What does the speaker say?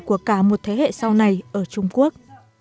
của cả một thế hệ sau này ở trung quốc